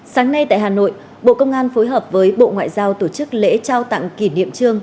sáng nay tại hà nội bộ công an phối hợp với bộ ngoại giao tổ chức lễ trao tặng kỷ niệm trương